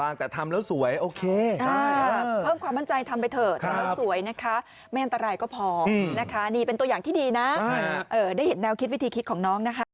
นี่เป็นตัวอย่างที่ดีนะได้เห็นแนวคิดวิธีคิดของน้องนะคะ